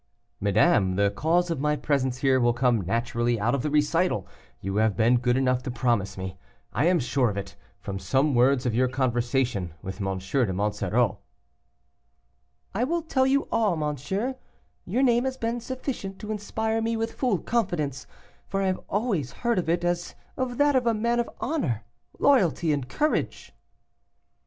"Madame, the cause of my presence here will come naturally out of the recital you have been good enough to promise me; I am sure of it, from some words of your conversation with M. de Monsoreau." "I will tell you all, monsieur; your name has been sufficient to inspire me with full confidence, for I have always heard of it as of that of a man of honor, loyalty, and courage."